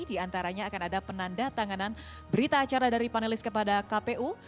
di antaranya akan ada penanda tanganan berita acara dari panelis kepada kpu